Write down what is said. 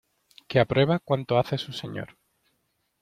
que aprueba cuanto hace su señor.